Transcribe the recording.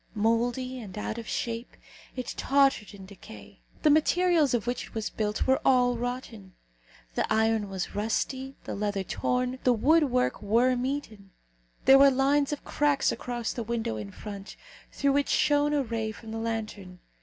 Mouldy and out of shape, it tottered in decay. The materials of which it was built were all rotten. The iron was rusty, the leather torn, the wood work worm eaten. There were lines of cracks across the window in front, through which shone a ray from the lantern.